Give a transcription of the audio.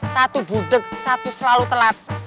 satu gudeg satu selalu telat